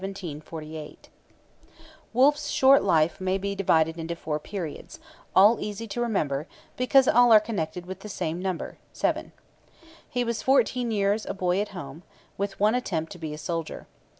CHAPTER II THE YOUNG SOLDIER, 1741 1748 Wolfe's short life may be divided into four periods, all easy to remember, because all are connected with the same number seven. He was fourteen years a boy at home, with one attempt to be a soldier.